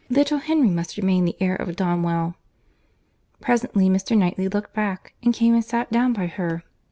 Little Henry must remain the heir of Donwell. Presently Mr. Knightley looked back, and came and sat down by her.